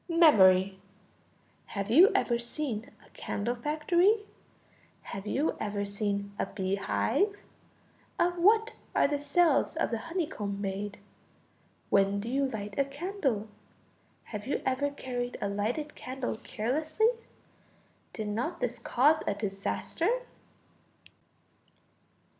Memory. Have you ever seen a candle factory? Have you ever seen a bee hive? Of what are the cells of the honeycomb made? When do you light a candle? Have you ever carried a lighted candle carelessly? Did not this cause a disaster?